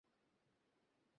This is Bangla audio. ইচ্ছে না হলে আসব না?